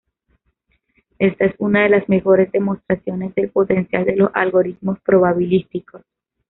Esta es una de las mejores demostraciones del potencial de los algoritmos probabilísticos.